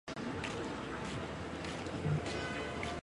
阿尔让河畔罗科布吕讷。